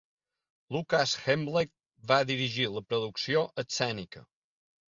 Lukas Hemleb va dirigir la producció escènica.